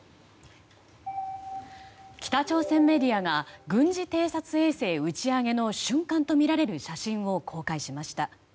北朝鮮メディアが軍事偵察衛星打ち上げの瞬間とみられる写真を公開しました。